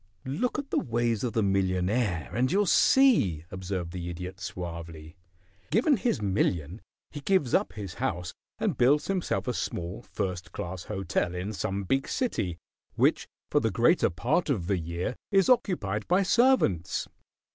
"Look at the ways of the millionaire and you'll see," observed the Idiot, suavely. "Given his million he gives up his house and builds himself a small, first class hotel in some big city, which for the greater part of the year is occupied by servants.